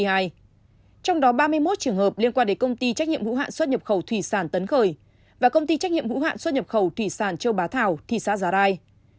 trong đó ba mươi một trường hợp liên quan đến công ty trách nhiệm hữu hạn xuất nhập khẩu thủy sản tấn khởi và công ty trách nhiệm hữu hạn xuất nhập khẩu thủy sản châu bá thảo thị xã giá rai